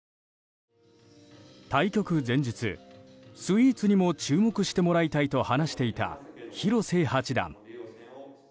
対局前日、スイーツにも注目してもらいたいと話していた、広瀬八段。